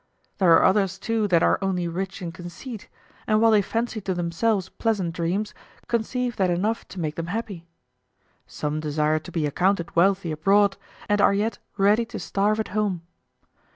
There are others too that are only rich in conceit, and while they fancy to themselves pleasant dreams, conceive that enough to make them happy. Some desire to be accounted wealthy abroad and are yet ready to starve at home.